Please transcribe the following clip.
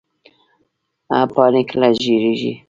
پاڼې کله ژیړیږي؟